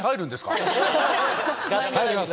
入ります。